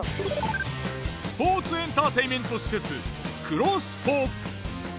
スポーツエンターテインメント施設クロスポ。